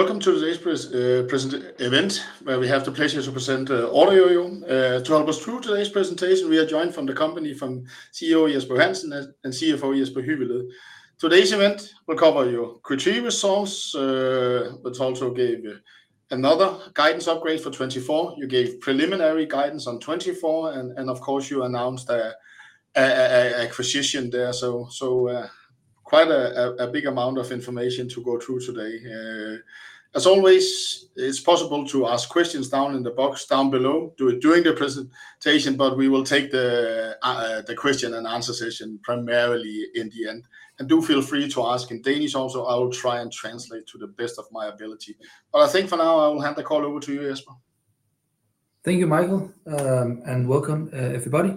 Welcome to today's presentation event, where we have the pleasure to present OrderYOYO. To help us through today's presentation, we are joined from the company by CEO Jesper Johansen and CFO Jesper Hybholt. Today's event will cover your Q3 results, but also gave another guidance upgrade for 2024. You gave preliminary guidance on 2024, and of course, you announced a acquisition there. So, quite a big amount of information to go through today. As always, it's possible to ask questions down in the box down below during the presentation, but we will take the question and answer session primarily in the end. Do feel free to ask in Danish also. I will try and translate to the best of my ability. But I think for now, I will hand the call over to you, Jesper. Thank you, Michael. And welcome, everybody.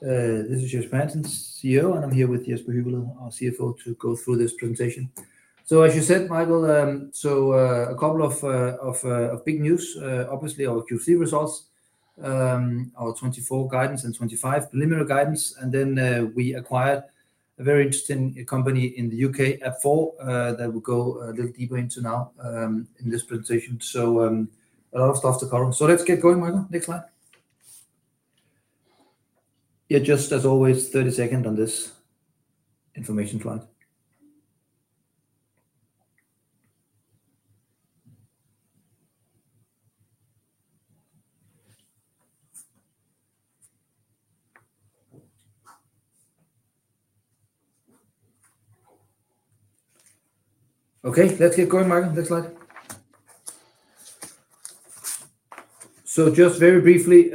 This is Jesper Johansen, CEO, and I'm here with Jesper Hybholt, our CFO, to go through this presentation. So as you said, Michael, so, a couple of big news. Obviously our Q3 results, our 2024 guidance and 2025 preliminary guidance, and then, we acquired a very interesting company in the UK, App4, that we'll go a little deeper into now, in this presentation. So, a lot of stuff to cover. So let's get going, Michael. Next slide. Yeah, just as always, thirty seconds on this information slide. Okay, let's get going, Michael. Next slide. So just very briefly,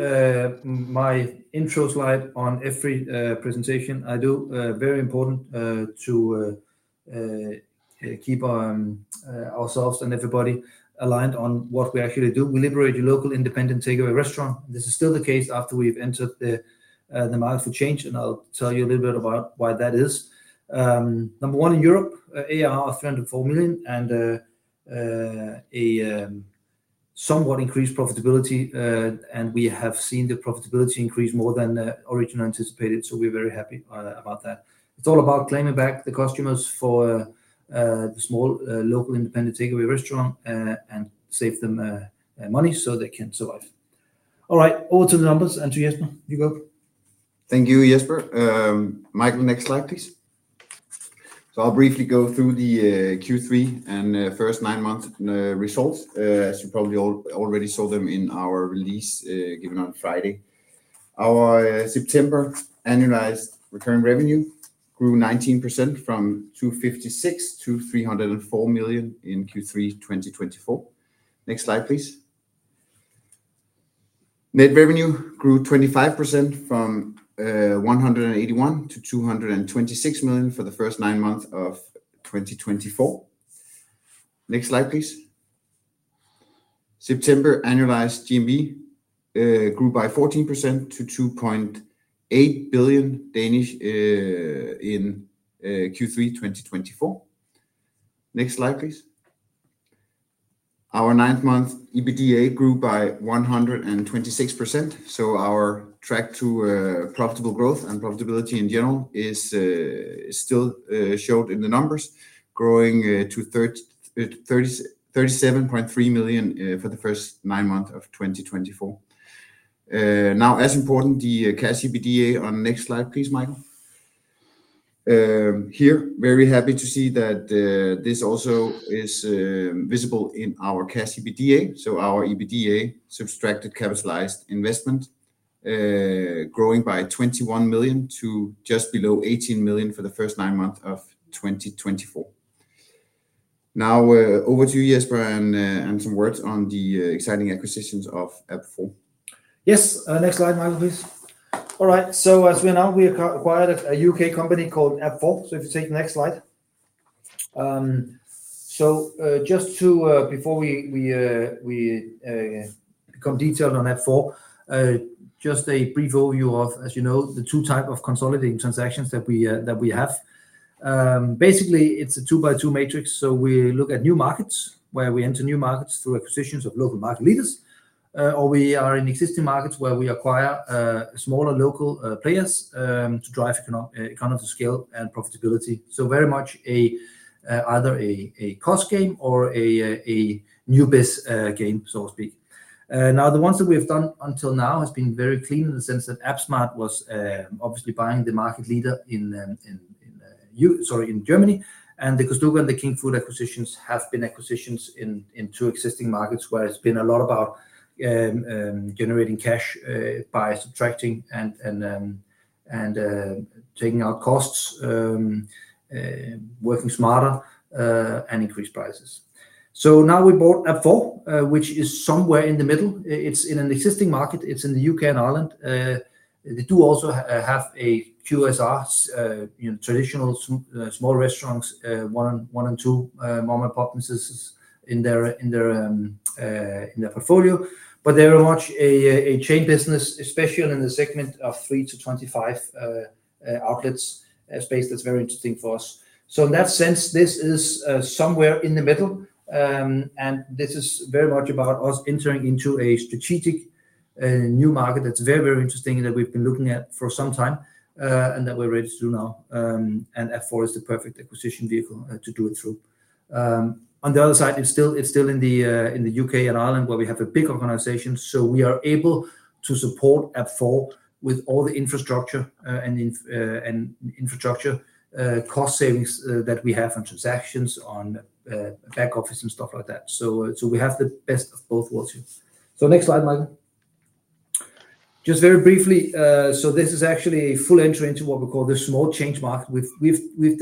my intro slide on every presentation I do, very important, to keep ourselves and everybody aligned on what we actually do. We liberate the local independent takeaway restaurant. This is still the case after we've entered the market for chains, and I'll tell you a little bit about why that is. Number one in Europe, AAR of 304 million, and a somewhat increased profitability, and we have seen the profitability increase more than originally anticipated, so we're very happy about that. It's all about claiming back the customers for the small local independent takeaway restaurant, and save them money so they can survive. All right, over to the numbers and to Jesper, you go. Thank you, Jesper. Michael, next slide, please. I'll briefly go through the Q3 and first nine-month results as you probably already saw them in our release given on Friday. Our September annualized recurring revenue grew 19% from 256 to 304 million DKK in Q3 2024. Next slide, please. Net revenue grew 25% from 181 to 226 million DKK for the first nine months of 2024. Next slide, please. September annualized GMV grew by 14% to 2.8 billion in Q3 2024. Next slide, please. Our nine-month, EBITDA grew by 126%, so our track to profitable growth and profitability in general is still showed in the numbers, growing to 37.3 million for the first nine months of 2024. Now, as important, the cash EBITDA. Next slide, please, Michael. Here, very happy to see that this also is visible in our cash EBITDA. So our EBITDA subtracted capitalized investment, growing by 21 million to just below 18 million for the first nine months of 2024. Now, over to you, Jesper, and some words on the exciting acquisitions of App4. Yes. Next slide, Michael, please. All right. So as we know, we acquired a U.K. company called App4. So if you take the next slide. So, just to, before we become detailed on App4, just a brief overview of, as you know, the two type of consolidating transactions that we have. Basically, it's a two-by-two matrix. So we look at new markets, where we enter new markets through acquisitions of local market leaders, or we are in existing markets where we acquire smaller local players, to drive economies of scale and profitability. So very much a either a cost game or a new biz game, so to speak. Now, the ones that we have done until now has been very clean in the sense that AppSmart was obviously buying the market leader in, sorry, in Germany, and the Kostuca and the Kingfood acquisitions have been acquisitions in two existing markets, where it's been a lot about generating cash by subtracting and taking out costs, working smarter, and increased prices. So now we bought App4, which is somewhere in the middle. It's in an existing market. It's in the U.K. and Ireland. They also have a QSR, you know, traditional small restaurants, one and two man enterprises in their portfolio. They are very much a chain business, especially in the segment of three to 25 outlets. A space that's very interesting for us. In that sense, this is somewhere in the middle. This is very much about us entering into a new market that's very, very interesting and that we've been looking at for some time, and that we're ready to do now. App4 is the perfect acquisition vehicle to do it through. On the other side, it's still in the U.K. and Ireland, where we have a big organization, so we are able to support App4 with all the infrastructure and infrastructure cost savings that we have on transactions, back office and stuff like that. We have the best of both worlds here. Next slide, Michael. Just very briefly, this is actually a full entry into what we call the small chain market. We've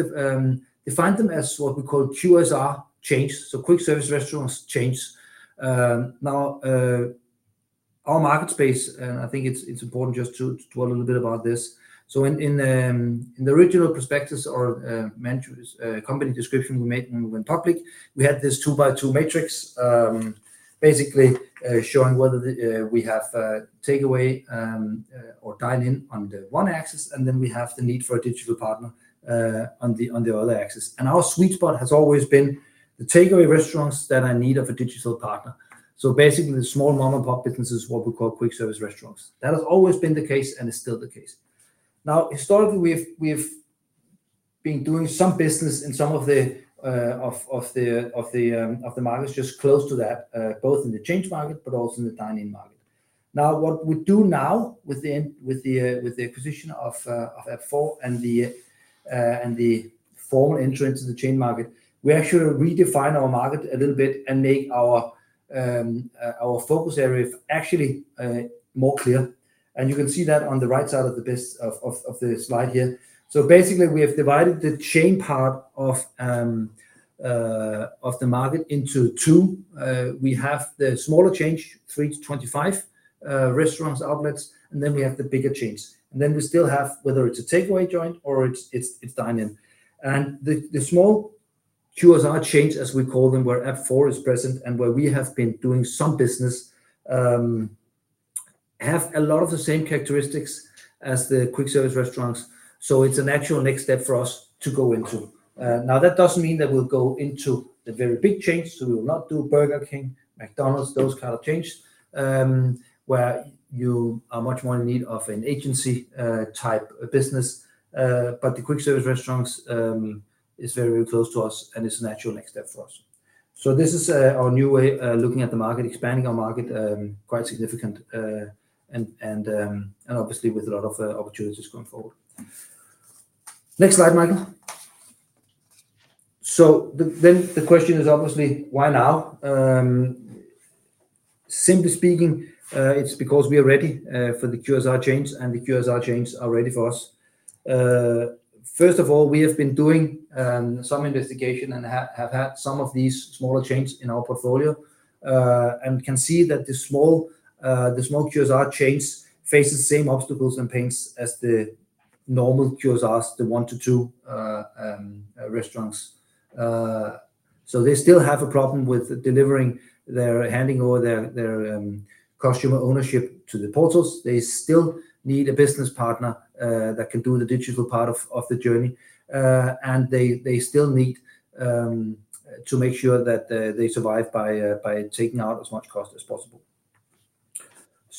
defined them as what we call QSR chains, so quick-service restaurant chains. Now, our market space, and I think it's important just to talk a little bit about this. In the original prospectus or company description we made when we went public, we had this two-by-two matrix, basically, showing whether we have takeaway or dine-in on the one axis, and then we have the need for a digital partner on the other axis, and our sweet spot has always been the takeaway restaurants that are in need of a digital partner. So basically, the small mom-and-pop business is what we call quick-service restaurants. That has always been the case and is still the case. Now, historically, we've been doing some business in some of the markets just close to that, both in the chain market but also in the dine-in market. Now, what we do now with the acquisition of App4 and the formal entry into the chain market, we actually redefine our market a little bit and make our focus area actually more clear. And you can see that on the right side of this slide here. So basically, we have divided the chain part of the market into two. We have the smaller chains, 3-25 restaurants, outlets, and then we have the bigger chains. And then we still have whether it's a takeaway joint or it's dine-in. And the small QSR chains, as we call them, where App4 is present and where we have been doing some business, have a lot of the same characteristics as the quick-service restaurants, so it's a natural next step for us to go into. Now, that doesn't mean that we'll go into the very big chains, so we will not do Burger King, McDonald's, those kind of chains, where you are much more in need of an agency type business. But the quick-service restaurants is very, very close to us, and it's a natural next step for us. This is our new way looking at the market, expanding our market quite significant, and obviously with a lot of opportunities going forward. Next slide, Michael. The question is obviously, why now? Simply speaking, it's because we are ready for the QSR chains, and the QSR chains are ready for us. First of all, we have been doing some investigation and have had some of these smaller chains in our portfolio, and can see that the small QSR chains face the same obstacles and pains as the normal QSRs, the one to two restaurants. They still have a problem with handing over their customer ownership to the portals. They still need a business partner that can do the digital part of the journey. And they still need to make sure that they survive by taking out as much cost as possible.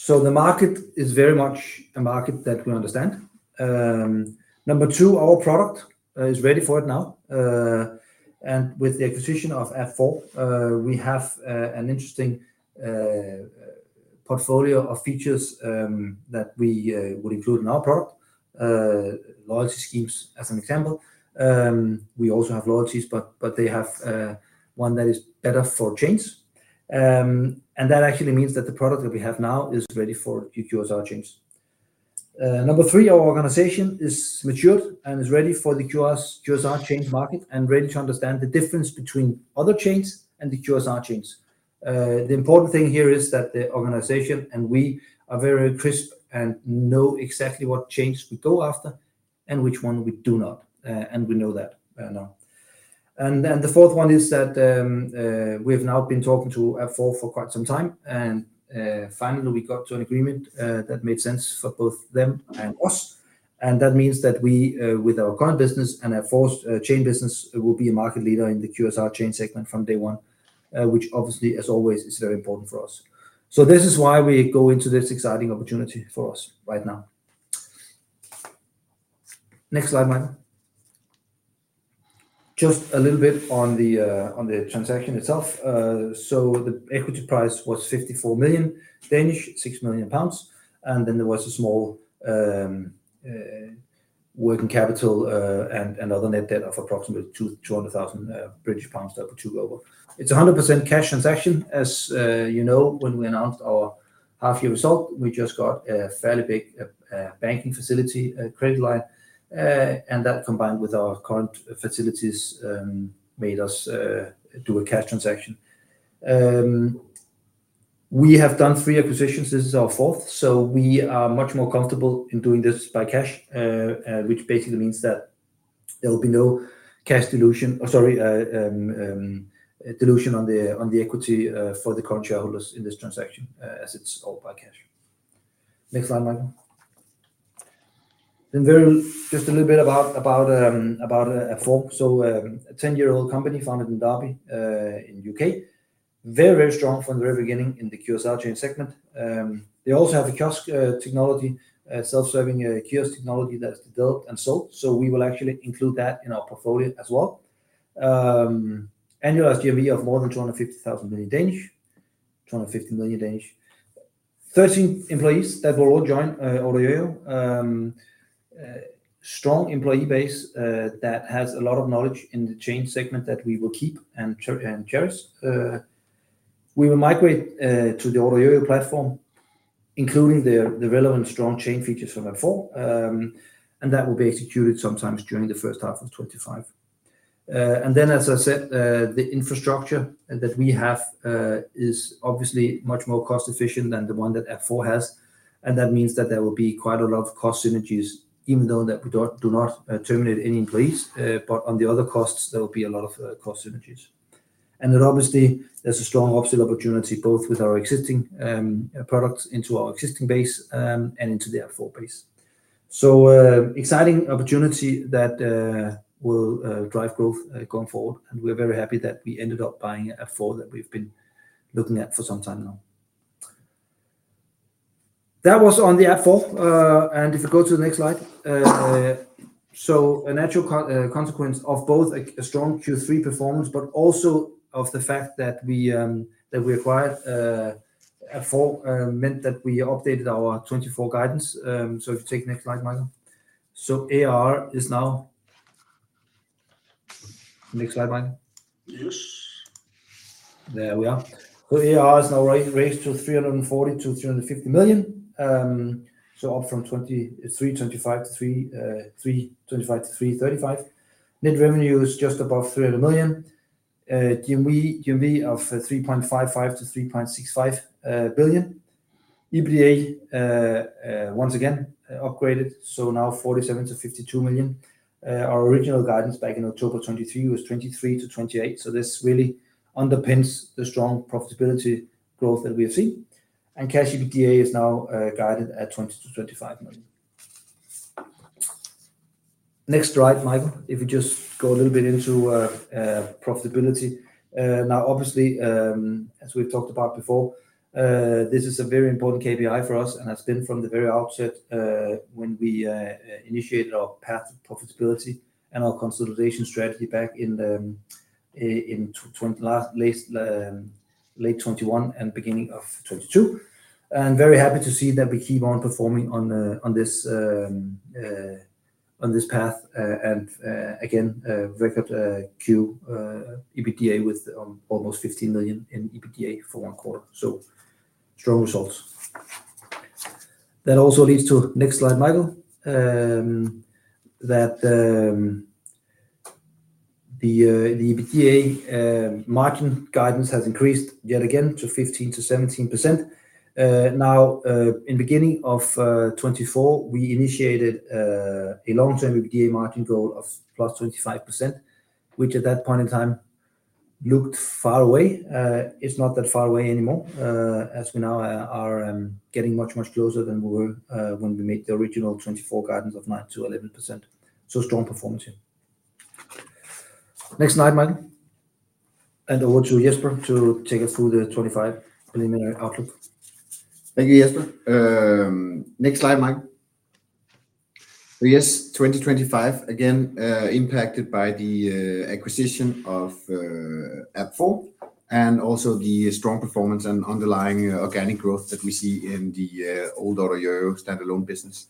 So the market is very much a market that we understand. Number two, our product is ready for it now, and with the acquisition of App4, we have an interesting portfolio of features that we will include in our product. Loyalty schemes, as an example. We also have loyalties, but they have one that is better for chains. And that actually means that the product that we have now is ready for the QSR chains. Number three, our organization is matured and is ready for the QSR chains market and ready to understand the difference between other chains and the QSR chains. The important thing here is that the organization and we are very crisp and know exactly what chains we go after and which one we do not. We know that now. The fourth one is that we have now been talking to App4 for quite some time, and finally, we got to an agreement that made sense for both them and us. That means that we, with our current business and App4's chain business, will be a market leader in the QSR chain segment from day one, which obviously, as always, is very important for us. So this is why we go into this exciting opportunity for us right now. Next slide, Michael. Just a little bit on the transaction itself. So the equity price was 54 million, 6 million pounds, and then there was a small working capital and other net debt of approximately 200,000 British pounds to go over. It's a 100% cash transaction. As you know, when we announced our half-year result, we just got a fairly big banking facility credit line, and that, combined with our current facilities, made us do a cash transaction. We have done three acquisitions. This is our fourth, so we are much more comfortable in doing this by cash, which basically means that there will be no cash dilution or sorry, dilution on the equity, for the current shareholders in this transaction, as it's all by cash. Next slide, Michael. Just a little bit about App4. A 10-year-old company founded in Derby, in the U.K. Very strong from the very beginning in the QSR chain segment. They also have a kiosk technology, self-serving kiosk technology that is developed and sold, so we will actually include that in our portfolio as well. Annual GMV of more than 250 million. 13 employees that will all join OrderYOYO. Strong employee base that has a lot of knowledge in the chain segment that we will keep and cherish. We will migrate to the OrderYOYO platform, including the relevant strong chain features from App4. And that will be executed sometime during the first half of 2025. And then, as I said, the infrastructure that we have is obviously much more cost efficient than the one that App4 has, and that means that there will be quite a lot of cost synergies, even though we do not terminate any employees. But on the other costs, there will be a lot of cost synergies. And then obviously, there's a strong upsell opportunity, both with our existing products into our existing base and into the App4 base. Exciting opportunity that will drive growth going forward, and we're very happy that we ended up buying App4, that we've been looking at for some time now. That was on the App4. If you go to the next slide. A natural consequence of both a strong Q3 performance, but also of the fact that we acquired App4 meant that we updated our 2024 guidance. If you take the next slide, Michael. AAR is now... Next slide, Michael. Yes. There we are. So AAR is now raised to 340-350 million. So up from 23-25 to 325-335. Net revenue is just above 300 million. GMV of 3.55-3.65 billion. EBITDA once again upgraded, so now 47-52 million. Our original guidance back in October 2023 was 23-28, so this really underpins the strong profitability growth that we have seen. Cash EBITDA is now guided at 20-25 million. Next slide, Michael, if you just go a little bit into profitability. Now, obviously, as we've talked about before, this is a very important KPI for us, and has been from the very outset, when we initiated our path to profitability and our consolidation strategy back in late 2021 and beginning of 2022, and very happy to see that we keep on performing on this path. Again, a record Q EBITDA with almost 15 million in EBITDA for one quarter. So strong results. That also leads to... Next slide, Michael. That the EBITDA margin guidance has increased yet again to 15%-17%. Now, in beginning of 2024, we initiated a long-term EBITDA margin goal of +25%, which at that point in time looked far away. It's not that far away anymore, as we now are getting much, much closer than we were when we made the original 2024 guidance of 9%-11%. So strong performance here. Next slide, Michael. And over to Jesper to take us through the 2025 preliminary outlook. Thank you, Jesper. Next slide, Michael. So yes, 2025 again, impacted by the acquisition of App4 and also the strong performance and underlying organic growth that we see in the old OrderYOYO standalone business.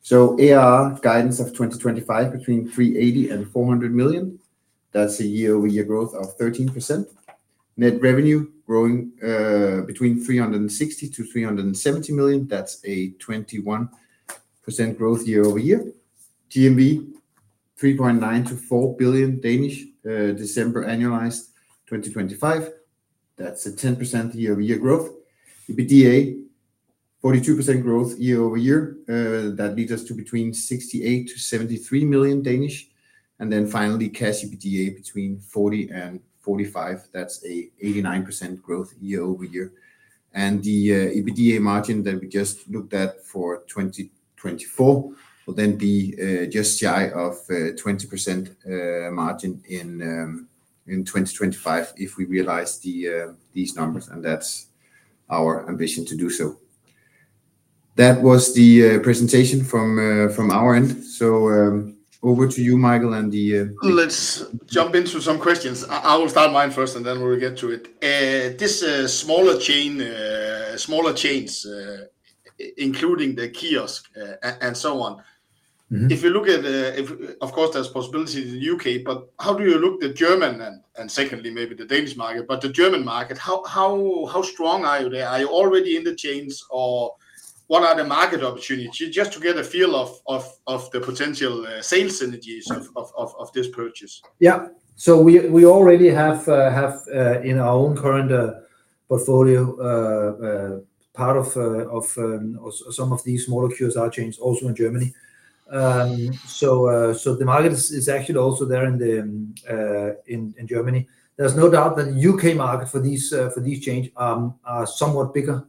So AAR guidance of 2025, between 380 and 400 million. That's a year-over-year growth of 13%. Net revenue growing between 360 to 370 million. That's a 21% growth year over year. GMV, 3.9 to 4 billion December annualized 2025. That's a 10% year-over-year growth. EBITDA, 42% growth year over year. That leads us to between 68 to 73 million DKK. And then finally, cash EBITDA between 40 and 45. That's an 89% growth year over year. And the EBITDA margin that we just looked at for 2024 will then be just shy of 20% margin in 2025, if we realize these numbers, and that's our ambition to do so. That was the presentation from our end. So, over to you, Michael, and the Let's jump into some questions. I will start mine first, and then we'll get to it. This smaller chains, including the kiosk, and so on. Mm-hmm. If, of course, there's possibility in the U.K., but how do you look at the German and secondly, maybe the Danish market, but the German market, how strong are you there? Are you already in the chains, or what are the market opportunities? Just to get a feel of the potential sales synergies of this purchase. Yeah. So we already have in our own current portfolio part of or some of these smaller QSR chains also in Germany. So the market is actually also there in Germany. There's no doubt that the U.K. market for these chains are somewhat bigger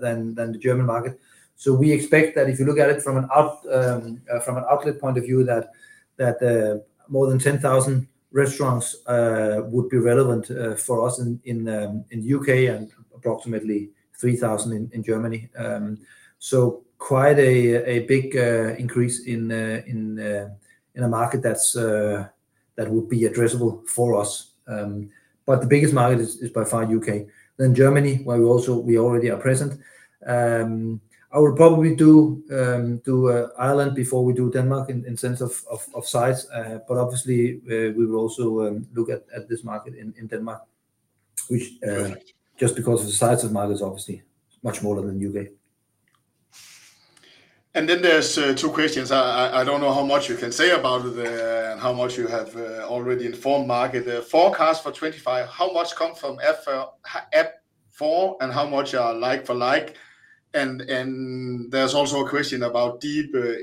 than the German market. So we expect that if you look at it from an outlet point of view, that more than 10,000 restaurants would be relevant for us in the U.K. and approximately 3,000 in Germany. So quite a big increase in a market that would be addressable for us. But the biggest market is by far U.K., then Germany, where we also already are present. I would probably do Ireland before we do Denmark in sense of size. But obviously, we will also look at this market in Denmark, which Right Just because of the size of the market is obviously much smaller than U.K. And then there's two questions. I don't know how much you can say about it, how much you have already informed market. The forecast for twenty-five, how much come from F, App4 and how much are like for like? And there's also a question about deeper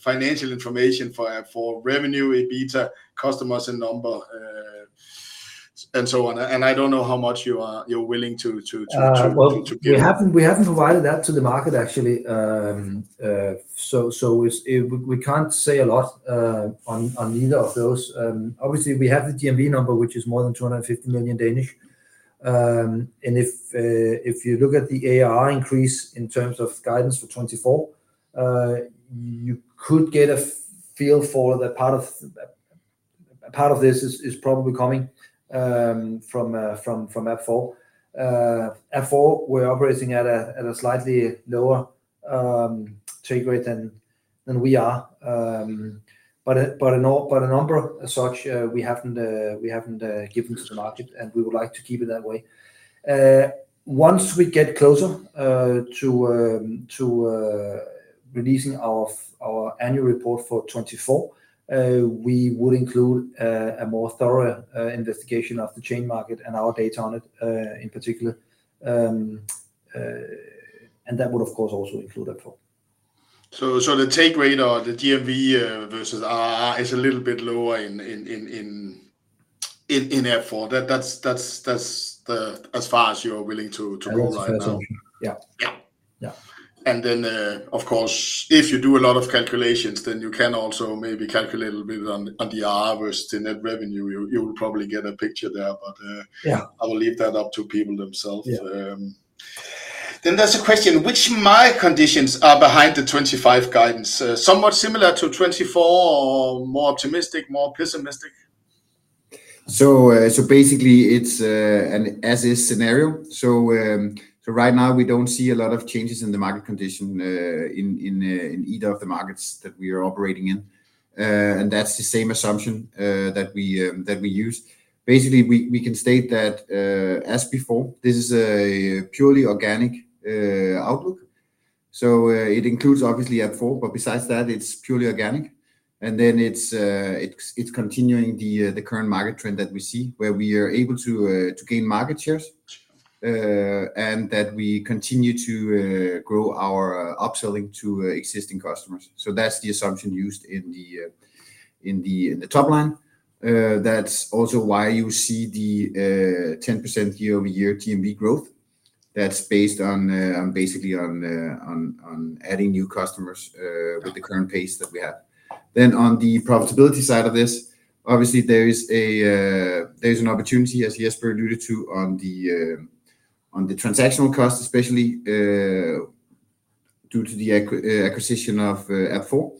financial information for revenue, EBITDA, customers, and numbers, and so on. And I don't know how much you're willing to. We haven't provided that to the market, actually. So it's we can't say a lot on either of those. Obviously, we have the GMV number, which is more than 250 million. And if you look at the ARR increase in terms of guidance for 2024, you could get a feel for that part of... Part of this is probably coming from App4. App4, we're operating at a slightly lower take rate than we are. But a number as such, we haven't given to the market, and we would like to keep it that way. Once we get closer to releasing of our annual report for twenty-four, we would include a more thorough investigation of the chain market and our data on it, in particular, and that would, of course, also include App4. The take rate or the GMV versus ARR is a little bit lower in App4. That's the- as far as you're willing to roll right now. Yeah. Yeah. Yeah. And then, of course, if you do a lot of calculations, then you can also maybe calculate a little bit on the average, the net revenue. You will probably get a picture there, but, Yeah... I will leave that up to people themselves. Yeah. Then there's a question: What market conditions are behind the 2025 guidance? Somewhat similar to 2024, or more optimistic, more pessimistic? Basically, it's an as-is scenario. Right now, we don't see a lot of changes in the market condition in either of the markets that we are operating in, and that's the same assumption that we use. Basically, we can state that, as before, this is a purely organic outlook. It includes obviously App4, but besides that, it's purely organic and then it's continuing the current market trend that we see, where we are able to gain market shares, and that we continue to grow our upselling to existing customers. That's the assumption used in the top line. That's also why you see the 10% year-over-year GMV growth. That's based on basically adding new customers with the current pace that we have. Then, on the profitability side of this, obviously, there is an opportunity, as Jesper alluded to, on the transactional cost, especially due to the acquisition of App4.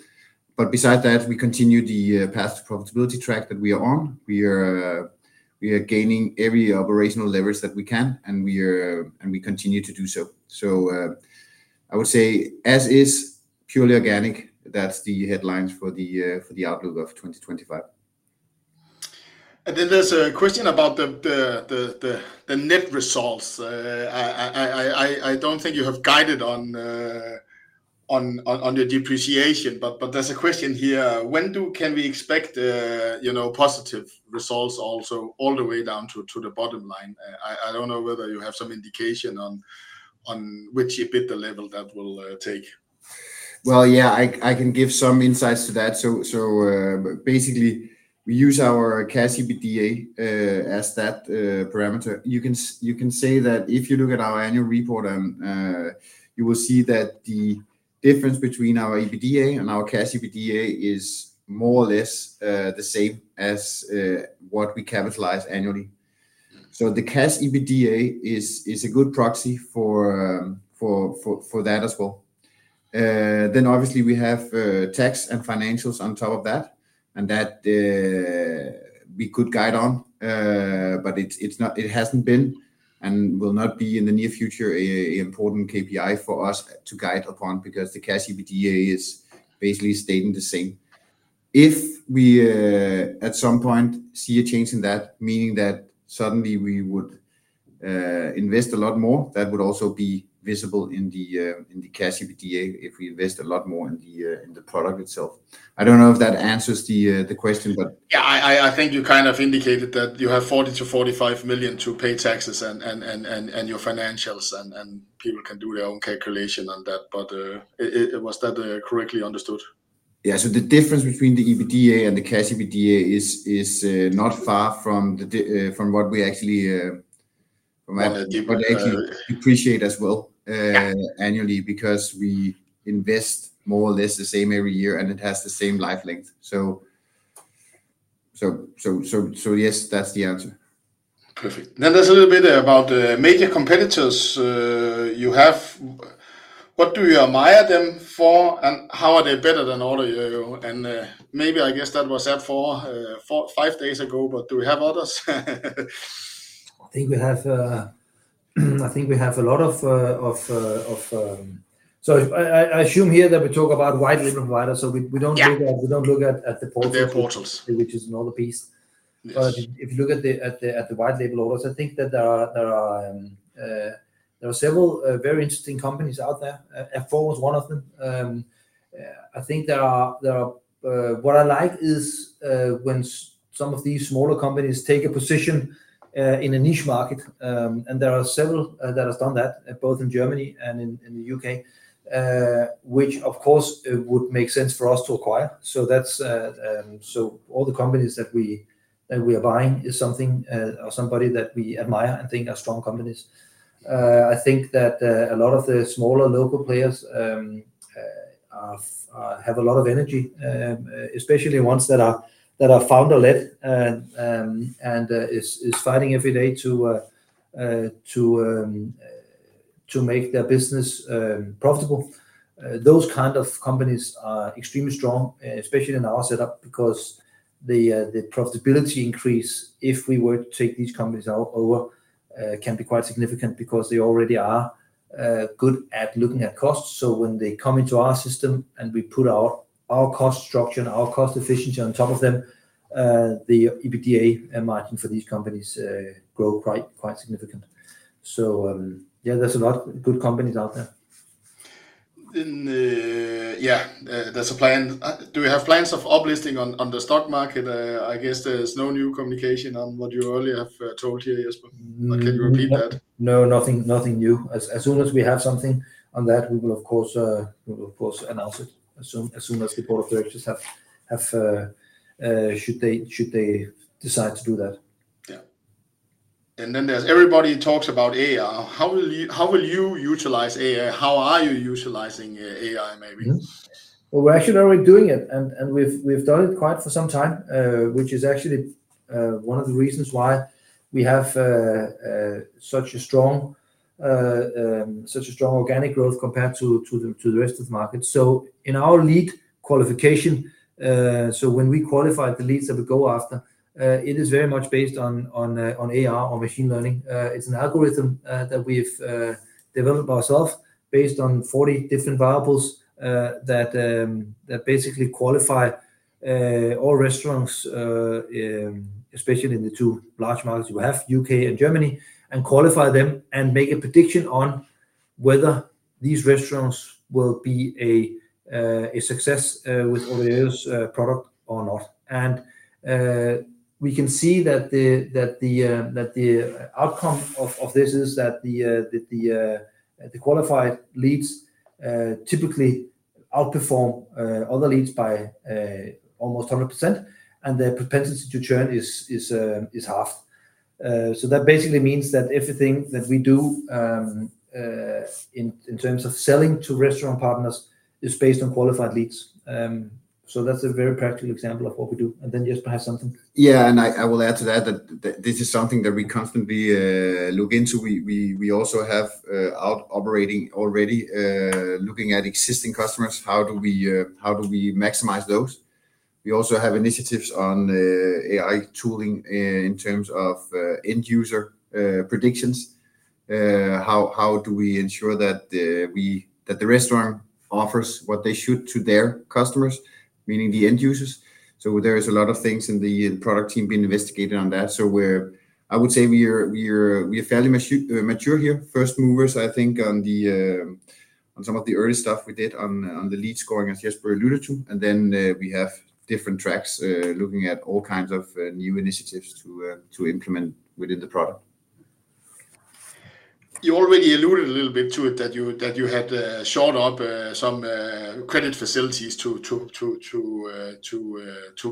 But besides that, we continue the path to profitability track that we are on. We are gaining every operational leverage that we can, and we continue to do so. So, I would say as is purely organic, that's the headlines for the outlook of 2025. Then there's a question about the net results. I don't think you have guided on the depreciation, but there's a question here: When can we expect, you know, positive results also all the way down to the bottom line? I don't know whether you have some indication on which EBITDA level that will take. Yeah, I can give some insights to that. Basically, we use our cash EBITDA as that parameter. You can say that if you look at our annual report, and you will see that the difference between our EBITDA and our cash EBITDA is more or less the same as what we capitalize annually. Mm. So the Cash EBITDA is a good proxy for that as well. Then obviously we have tax and financials on top of that, and that we could guide on, but it hasn't been and will not be in the near future an important KPI for us to guide upon, because the Cash EBITDA is basically staying the same. If we at some point see a change in that, meaning that suddenly we would invest a lot more, that would also be visible in the Cash EBITDA, if we invest a lot more in the product itself. I don't know if that answers the question, but Yeah, I think you kind of indicated that you have 40-45 million to pay taxes and your financials, and people can do their own calculation on that, but was that correctly understood? Yeah. So the difference between the EBITDA and the cash EBITDA is not far from what we actually On a deeper- What we actually appreciate as well annually, because we invest more or less the same every year, and it has the same life length. So yes, that's the answer.... Perfect. Then there's a little bit about the major competitors, you have. What do you admire them for, and how are they better than OrderYOYO? And, maybe I guess that was said four, five days ago, but do we have others? I think we have a lot of. I assume here that we talk about white label providers. We don't- Yeah. We don't look at the portal. The portals. Which is another piece. Yes. But if you look at the white label orders, I think that there are several very interesting companies out there. App4 is one of them. I think there are... What I like is when some of these smaller companies take a position in a niche market, and there are several that has done that, both in Germany and in the U.K.. Which of course would make sense for us to acquire. So that's so all the companies that we are buying is something or somebody that we admire and think are strong companies. I think that a lot of the smaller local players have a lot of energy, especially ones that are founder-led and is fighting every day to make their business profitable. Those kind of companies are extremely strong, especially in our setup, because the profitability increase, if we were to take these companies over, can be quite significant because they already are good at looking at costs. So when they come into our system and we put our cost structure and our cost efficiency on top of them, the EBITDA margin for these companies grow quite significant. So, yeah, there's a lot of good companies out there. Yeah, there's a plan. Do we have plans of uplisting on the stock market? I guess there's no new communication on what you earlier have told here, Jesper. Mm. But can you repeat that? No, nothing, nothing new. As, as soon as we have something on that, we will of course, we will of course announce it. As soon, as soon as the board of directors have, have, should they, should they decide to do that. Yeah. And then everybody talks about AI. How will you, how will you utilize AI? How are you utilizing AI, maybe? We're actually already doing it, and we've done it for quite some time, which is actually one of the reasons why we have such a strong organic growth compared to the rest of the market. In our lead qualification, when we qualify the leads that we go after, it is very much based on AI or machine learning. It's an algorithm that we've developed ourselves based on 40 different variables that basically qualify all restaurants, especially in the two large markets we have, U.K. and Germany, and qualify them and make a prediction on whether these restaurants will be a success with OrderYOYO's product or not. We can see that the outcome of this is that the qualified leads typically outperform other leads by almost 100%, and their propensity to churn is half. That basically means that everything that we do in terms of selling to restaurant partners is based on qualified leads. That's a very practical example of what we do. Then Jesper has something. Yeah, and I will add to that, that this is something that we constantly look into. We also have up and operating already looking at existing customers, how do we maximize those? We also have initiatives on AI tooling in terms of end user predictions. How do we ensure that the restaurant offers what they should to their customers, meaning the end users, so there is a lot of things in the product team being investigated on that. I would say we are fairly mature here. First movers, I think on some of the early stuff we did on the lead scoring, as Jesper alluded to, and then we have different tracks looking at all kinds of new initiatives to implement within the product. You already alluded a little bit to it, that you had shored up some credit facilities to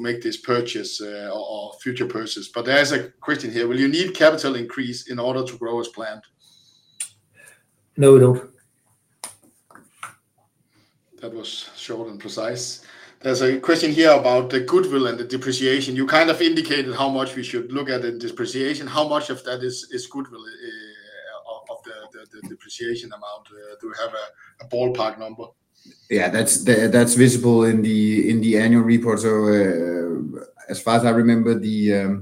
make this purchase or future purchases. But there's a question here: Will you need capital increase in order to grow as planned? No, we don't. That was short and precise. There's a question here about the goodwill and the depreciation. You kind of indicated how much we should look at the depreciation. How much of that is goodwill of the depreciation amount? Do we have a ballpark number? Yeah, that's visible in the annual report. As far as I remember, the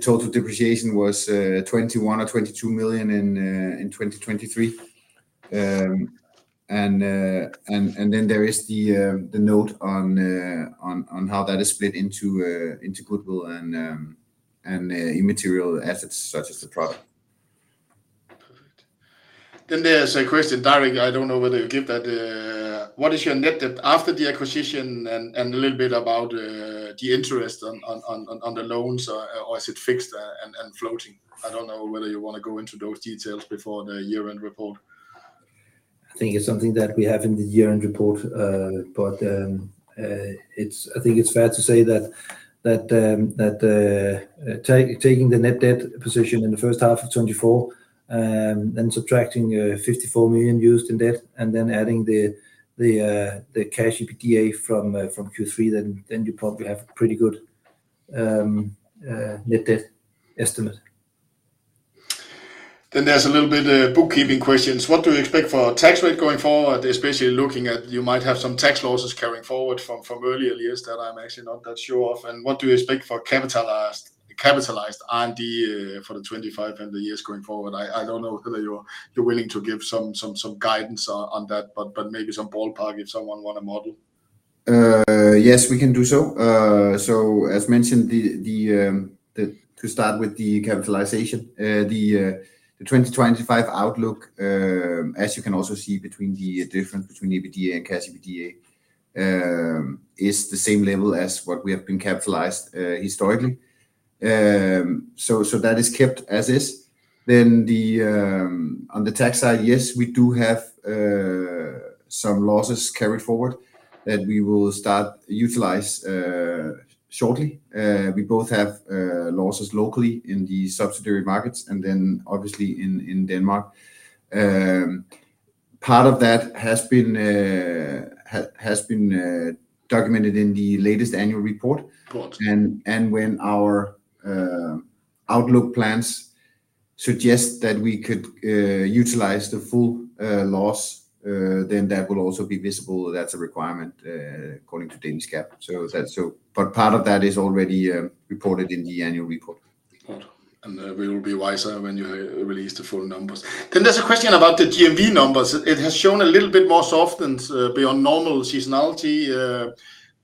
total depreciation was 21 or 22 million in 2023. Then there is the note on how that is split into goodwill and intangible assets such as the product. Perfect. Then there's a question directly, I don't know whether you give that: What is your net debt after the acquisition, and a little bit about the interest on the loans, or is it fixed and floating? I don't know whether you want to go into those details before the year-end report. I think it's something that we have in the year-end report. But, it's... I think it's fair to say that taking the net debt position in the first half of twenty-four-... then subtracting 54 million used in debt and then adding the cash EBITDA from Q3, then you probably have pretty good net debt estimate. Then there's a little bit bookkeeping questions. What do you expect for our tax rate going forward, especially looking at you might have some tax losses carrying forward from earlier years that I'm actually not that sure of? And what do you expect for capitalized R&D for the 2025 and the years going forward? I don't know whether you're willing to give some guidance on that, but maybe some ballpark if someone want to model. Yes, we can do so. So as mentioned, to start with the capitalization, the twenty twenty-five outlook, as you can also see between the difference between EBITDA and cash EBITDA, is the same level as what we have been capitalized, historically, so that is kept as is. On the tax side, yes, we do have some losses carried forward that we will start utilize, shortly. We both have losses locally in the subsidiary markets and then obviously in Denmark. Part of that has been documented in the latest annual report. Got it. When our outlook plans suggest that we could utilize the full loss, then that will also be visible. That's a requirement according to Danish GAAP. So that's. But part of that is already reported in the annual report. Got it. And we will be wiser when you release the full numbers. Then there's a question about the GMV numbers. It has shown a little bit softer than beyond normal seasonality.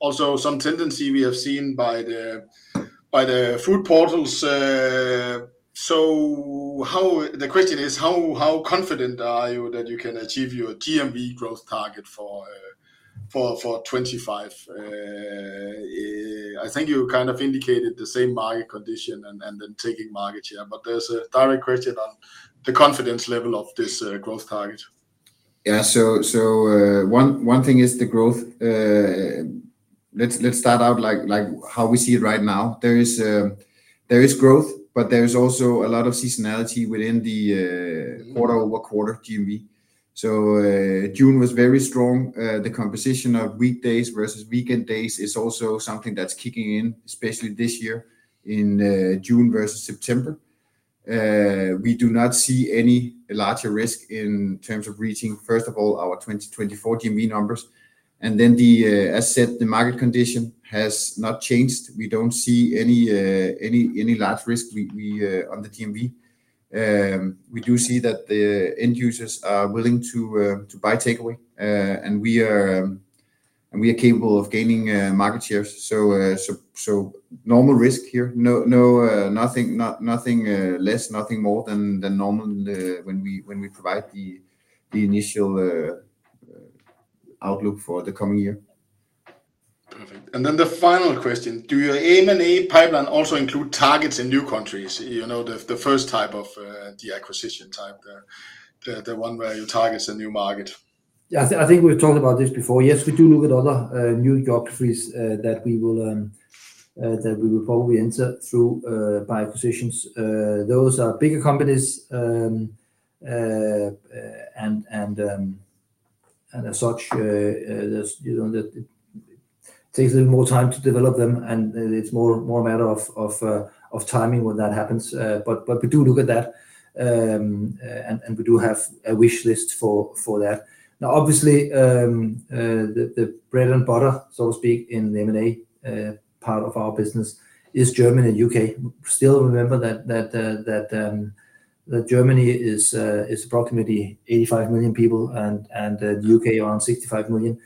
Also some tendency we have seen by the food portals. So, the question is, how confident are you that you can achieve your GMV growth target for 2025? I think you kind of indicated the same market condition and then taking market share, but there's a direct question on the confidence level of this growth target. Yeah. So, one thing is the growth. Let's start out like how we see it right now. There is growth, but there is also a lot of seasonality within the Mm-hmm... quarter-over-quarter GMV. So, June was very strong. The composition of weekdays versus weekend days is also something that's kicking in, especially this year in, June versus September. We do not see any larger risk in terms of reaching, first of all, our twenty twenty-four GMV numbers, and then the, as said, the market condition has not changed. We don't see any large risk. We on the GMV. We do see that the end users are willing to buy takeaway. And we are capable of gaining market shares. So, normal risk here. No, nothing less, nothing more than normal, when we provide the initial outlook for the coming year. Perfect. And then the final question: Do your M&A pipeline also include targets in new countries? You know, the first type of the acquisition type, the one where you target a new market. Yeah, I think we've talked about this before. Yes, we do look at other new geographies that we will probably enter through by acquisitions. Those are bigger companies and as such, you know, that takes a little more time to develop them, and it's more a matter of timing when that happens, but we do look at that, and we do have a wish list for that. Now, obviously, the bread and butter, so to speak, in the M&A part of our business is Germany and U.K. Still, remember that Germany is approximately 85 million people, and the U.K. around 65 million.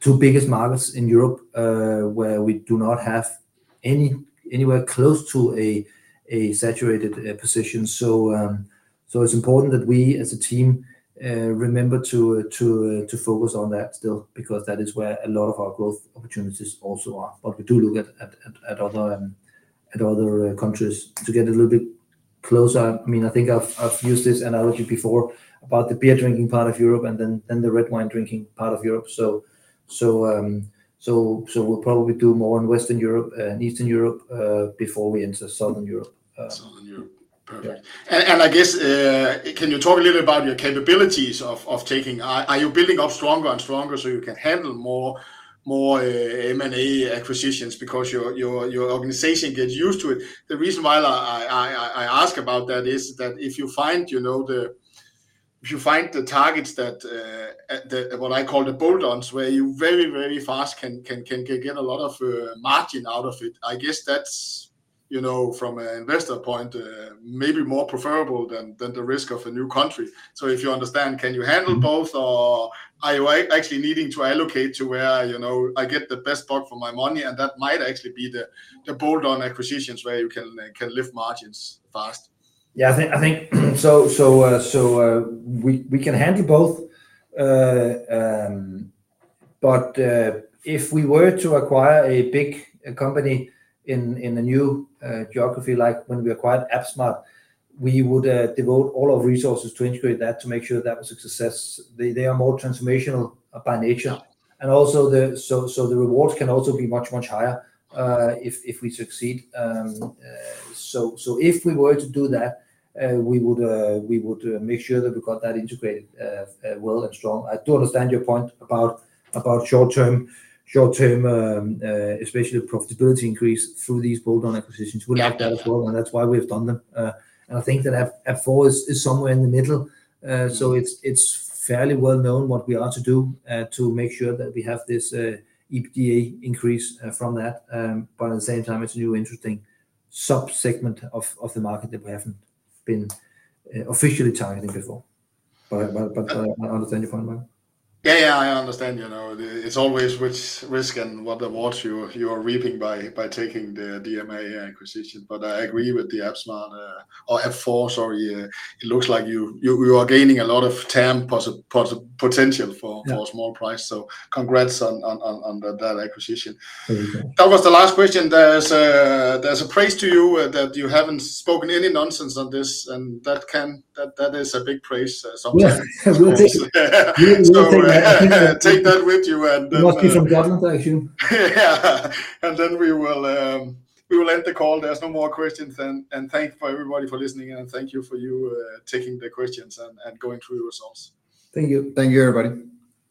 Two biggest markets in Europe where we do not have anywhere close to a saturated position. So it's important that we, as a team, remember to focus on that still, because that is where a lot of our growth opportunities also are. But we do look at other countries to get a little bit closer. I mean, I think I've used this analogy before about the beer-drinking part of Europe and then the red wine-drinking part of Europe. So we'll probably do more in Western Europe and Eastern Europe before we enter Southern Europe. Southern Europe. Yeah. Perfect. And I guess can you talk a little bit about your capabilities of taking. Are you building up stronger and stronger so you can handle more M&A acquisitions because your organization gets used to it? The reason why I ask about that is that if you find, you know, if you find the targets that what I call the bolt-ons, where you very fast can get a lot of margin out of it, I guess that's, you know, from an investor point maybe more preferable than the risk of a new country. So if you understand, can you handle both? Mm-hmm. Or are you actually needing to allocate to where, you know, I get the best bang for my money, and that might actually be the bolt-on acquisitions where you can lift margins fast? Yeah, I think so, we can handle both. But if we were to acquire a big company in a new geography, like when we acquired AppSmart, we would devote all our resources to integrate that, to make sure that was a success. They are more transformational by nature. Yeah. The rewards can also be much, much higher if we succeed. If we were to do that, we would make sure that we got that integrated well and strong. I do understand your point about short-term, especially profitability increase through these bolt-on acquisitions. Yeah. We like that as well, and that's why we've done them, and I think that App4 is somewhere in the middle. Mm-hmm. So it's fairly well known what we are to do to make sure that we have this EBITDA increase from that. But at the same time, it's a new interesting subsegment of the market that we haven't been officially targeting before. But I understand your point well. Yeah, yeah, I understand. You know, it's always which risk and what rewards you are reaping by taking the DMA acquisition. But I agree with the AppSmart or App4, sorry, it looks like you are gaining a lot of TAM potential for- Yeah... for a small price. So congrats on that acquisition. Thank you. That was the last question. There's a praise to you, that you haven't spoken any nonsense on this, and that can... That is a big praise, sometimes. Yeah, well, thank you. So take that with you, and Must be from government, I assume. Yeah, and then we will end the call. There are no more questions then. And thanks to everybody for listening, and thank you for taking the questions and going through the results. Thank you. Thank you, everybody.